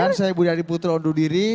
dan saya budi adiputro undur diri